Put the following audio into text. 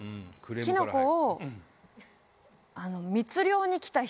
キノコを。